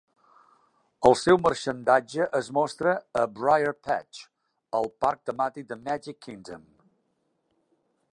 El seu marxandatge es mostra a Briar Patch, al parc temàtic de Magic Kingdom.